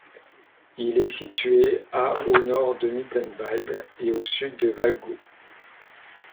Il est situé à au nord de Mittenwald et au sud de Wallgau.